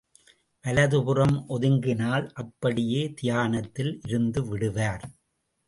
வலது புறம் ஒதுங்கினால் அப்படியே தியானத்தில் இருந்து விடுவார்.